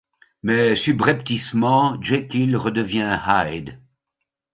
Mais subrepticement Jekyll redevient Hyde.